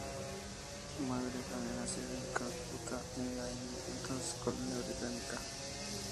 Su madre había nacido en Calcuta, en la India, entonces colonia británica.